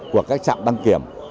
của các trạm đăng kiểm